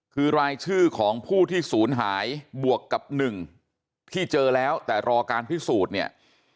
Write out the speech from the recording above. คือรายชื่อของผู้ที่ศูนย์หายบวกกับหนึ่งที่เจอแล้วแต่รอการพิสูจน์เนี่ย